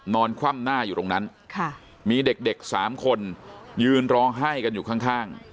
นอนคว่ำหน้าอยู่ตรงนั้นค่ะมีเด็กเด็กสามคนยืนร้องไห้กันอยู่ข้างข้าง